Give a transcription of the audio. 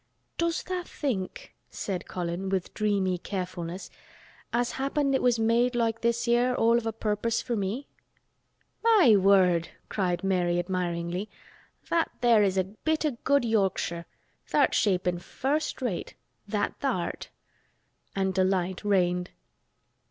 "Does tha' think," said Colin with dreamy carefulness, "as happen it was made loike this 'ere all o' purpose for me?" "My word!" cried Mary admiringly, "that there is a bit o' good Yorkshire. Tha'rt shapin' first rate—that tha' art." And delight reigned.